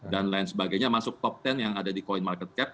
dan lain sebagainya masuk top sepuluh yang ada di coin market cap